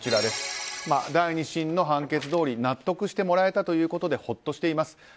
第２審の判決どおり納得してもらえたということでほっとしています。